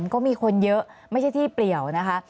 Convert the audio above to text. ก็มีคนเยอะไม่ใช่ที่เปลี่ยวนะคะ